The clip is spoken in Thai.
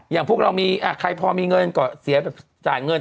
อย่างพวกเรามีใครพอมีเงินก็เสียแบบจ่ายเงิน